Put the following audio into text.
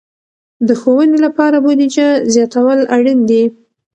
د ښوونې لپاره بودیجه زیاتول اړین دي.